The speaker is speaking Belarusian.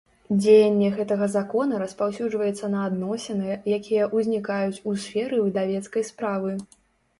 Дзеянне гэтага Закона распаўсюджваецца на адносiны, якiя ўзнiкаюць у сферы выдавецкай справы.